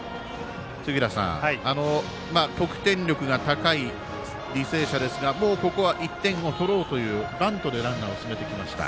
得点力が高い履正社ですがもうここは１点を取ろうというバントでランナーを進めてきました。